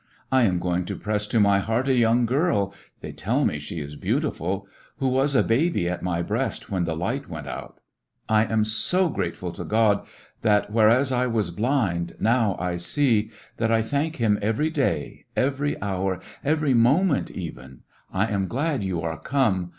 I am going to press to my heart a young girl— they tell me she is beautiful— who was a baby at my breast when the light went out. I am so grateful to Grod that whereas I was blind, now I see, that I thank Him every day, every hour, every mo ment, even. I am glad you are come.